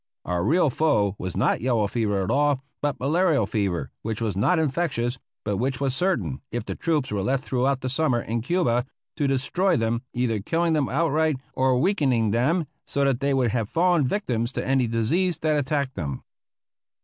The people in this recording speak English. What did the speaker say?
Our real foe was not the yellow fever at all, but malarial fever, which was not infectious, but which was certain, if the troops were left throughout the summer in Cuba, to destroy them, either killing them outright, or weakening them so that they would have fallen victims to any disease that attacked them.